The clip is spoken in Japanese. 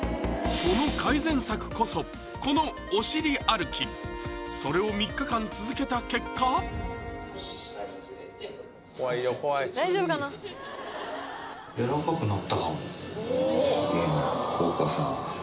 その改善策こそこのお尻歩きそれを３日間続けた結果怖いよ怖い大丈夫かな？